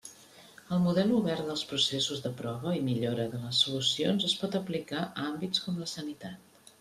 El model obert dels processos de prova i millora de les solucions es pot aplicar a àmbits com la sanitat.